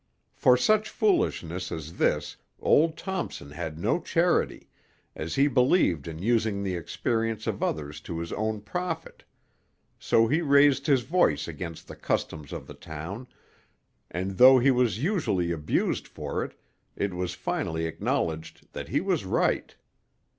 For such foolishness as this old Thompson had no charity, as he believed in using the experience of others to his own profit; so he raised his voice against the customs of the town, and though he was usually abused for it, it was finally acknowledged that he was right.